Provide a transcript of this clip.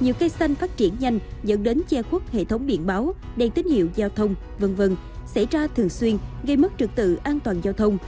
nhiều cây xanh phát triển nhanh dẫn đến che khuất hệ thống điện báo đèn tín hiệu giao thông v v xảy ra thường xuyên gây mất trực tự an toàn giao thông